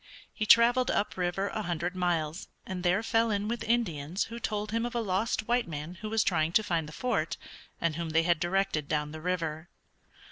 He traveled up river a hundred miles, and there fell in with Indians who told him of a lost white man who was trying to find the Fort, and whom they had directed down the river.